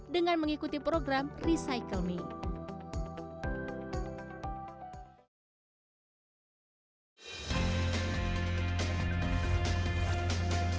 dengan mengikuti program recycle me